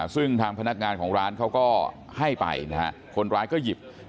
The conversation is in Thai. ซึ่งทางพนักงานของร้านเขาก็ให้ไปนะฮะคนร้ายก็หยิบ